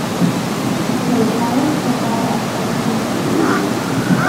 He played college football at Southern Mississippi.